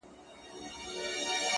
درد چي سړی سو له پرهار سره خبرې کوي ـ